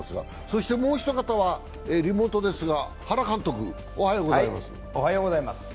そしてもう一方はリモートですが原監督、おはようございます。